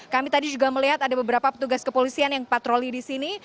kami tadi juga melihat ada beberapa petugas kepolisian yang patroli di sini